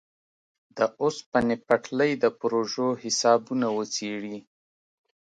د اوسپنې پټلۍ د پروژو حسابونه وڅېړي.